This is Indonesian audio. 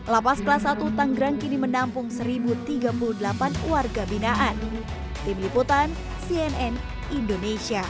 lapas kelas satu tanggerang kini menampung satu tiga puluh delapan warga binaan